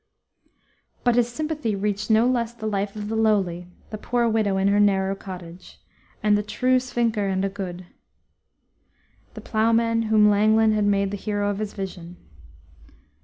But his sympathy reached no less the life of the lowly, the poor widow in her narrow cottage, and that "trewe swynkere and a good," the plowman whom Langland had made the hero of his vision.